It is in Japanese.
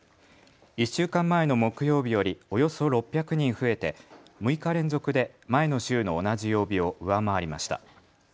１週間前の木曜日よりおよそ６００人増えて６日連続で前の週の同じ曜日を上回りました。